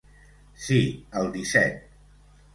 Sí, el disset.